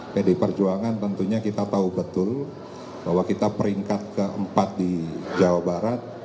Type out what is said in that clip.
pdi perjuangan tentunya kita tahu betul bahwa kita peringkat keempat di jawa barat